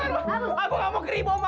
nggak mau keribu ma